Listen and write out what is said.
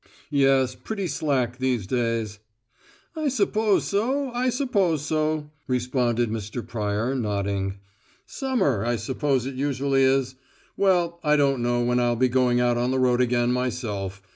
"Yes. Pretty slack, these days." "I suppose so, I suppose so," responded Mr. Pryor, nodding. "Summer, I suppose it usually is. Well, I don't know when I'll be going out on the road again myself.